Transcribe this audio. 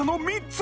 ３つ！？